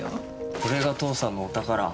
これが父さんのお宝。